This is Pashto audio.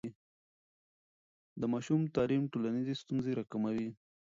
د ماشوم تعلیم ټولنیزې ستونزې راکموي.